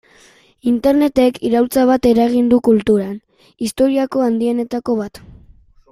Internetek iraultza bat eragin du kulturan, historiako handienetako bat.